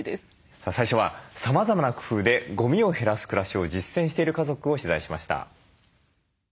さあ最初はさまざまな工夫でゴミを減らす暮らしを実践している家族を取材しました。